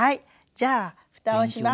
じゃあふたをします。